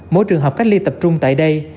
mỗi trường hợp cách ly tập trung tại đây